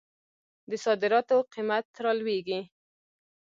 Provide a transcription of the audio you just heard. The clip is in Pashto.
د صادراتو قیمت رالویږي.